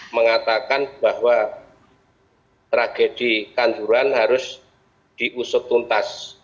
mengatakan bahwa tragedi kealjuruan harus diusutuntas